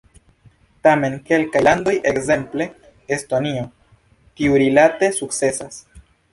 Tamen kelkaj landoj, ekzemple Estonio, tiurilate sukcesas.